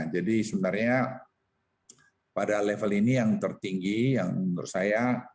jadi sebenarnya pada level ini yang tertinggi yang menurut saya